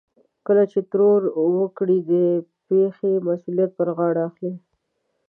کله چې ترور وکړي د پېښې مسؤليت پر غاړه اخلي.